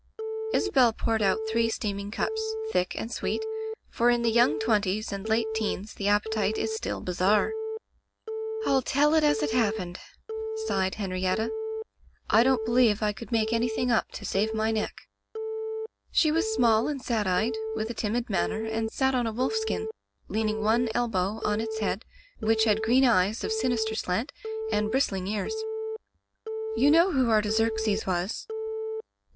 Isabel poured out three steaming cups, thick and sweet, for in the young twenties and late teens the appetite is still bizarre. "rU tell it as it happened," sighed Hen rietta. "I don't believe I could make any thing up to save my neck." She was small and sad eyed, with a timid manner, and sat on a wolf skin, leaning one Digitized by LjOOQ IC Interventions elbow on its head, which had green eyes of sinister slant, and bristling ears. "You know who Artaxerxes was?'